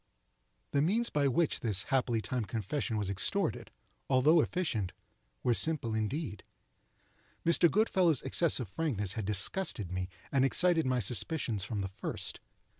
The means by which this happily timed confession was extorted, although efficient, were simple indeed. Mr. Goodfellow's excess of frankness had disgusted me, and excited my suspicions from the first.